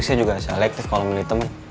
tapi saya juga selektif kalau milih temen